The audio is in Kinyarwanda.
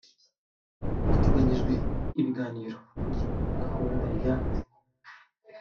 Hateganyijwe ibiganiro kuri gahunda ya